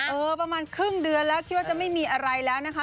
ประมาณครึ่งเดือนแล้วคิดว่าจะไม่มีอะไรแล้วนะคะ